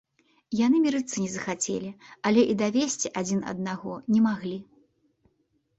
Яны мірыцца не захацелі, але і давесці адзін аднаго не маглі.